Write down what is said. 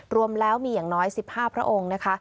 รวมแล้วมีอย่างน้อย๑๕พระองค์นะคะ